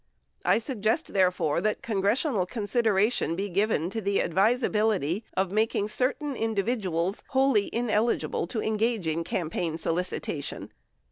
I suggest, therefore, that congressional consideration be given to the advisability of making certain individuals wholly in eligible to engage in campaign solicitation.